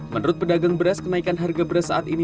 menurut pedagang beras kenaikan harga beras saat ini